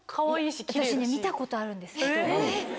私見たことあるんです。